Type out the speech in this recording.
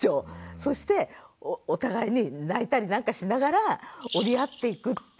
そしてお互いに泣いたりなんかしながら折り合っていくっていう。